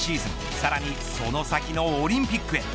さらにその先のオリンピックへ。